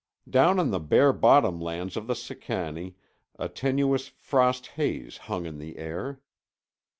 Down on the bare bottomlands of the Sicannie a tenuous frost haze hung in the air.